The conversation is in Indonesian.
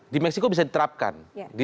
di meksiko bisa diterapkan